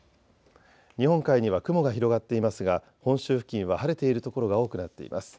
日本海には雲が広がっていますが本州付近は晴れている所が多くなっています。